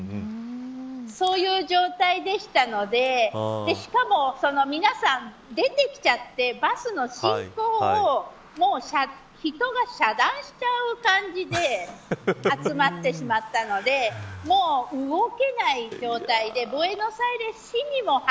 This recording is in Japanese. そういう状態でしたのでしかも、皆さん出てきちゃって、バスの進行を人が遮断しちゃう感じで集まってしまったのでもう動けない状態でブエノスアイレス市にもみんな